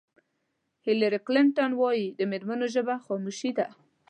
هېلري کلنټن وایي د مېرمنو ژبه خاموشي ده.